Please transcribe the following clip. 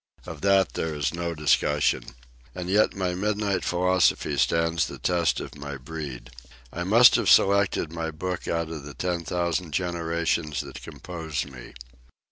Of that there is no discussion. And yet my midnight philosophy stands the test of my breed. I must have selected my books out of the ten thousand generations that compose me.